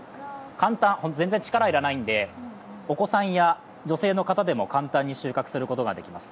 簡単、全然、力要らないので、お子さんや女性の方でも簡単に収穫することができます。